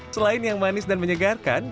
selain yang manis dan menyegarkan